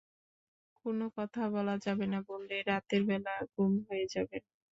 কোনো কথা বলা যাবে না, বললেই রাতের বেলা গুম হয়ে যাবেন।